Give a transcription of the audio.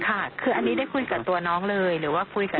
ค่ะคืออันนี้ได้คุยกับตัวน้องเลยหรือว่าคุยกับ